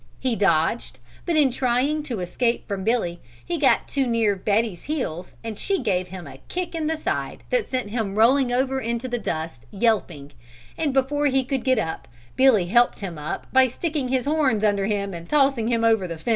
He dodged, but in trying to escape from Billy he got too near Betty's heels and she gave him a kick in the side that sent him rolling over into the dust, yelping, and before he could get up Billy helped him up by sticking his horns under him and tossing him over the fence.